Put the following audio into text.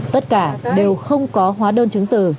tất cả đều không có hóa đơn chứng từ